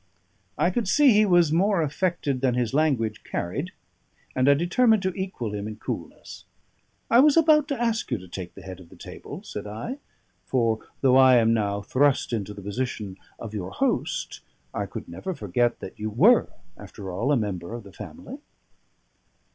I could see he was more affected than his language carried, and I determined to equal him in coolness. "I was about to ask you to take the head of the table," said I; "for though I am now thrust into the position of your host, I could never forget that you were, after all, a member of the family."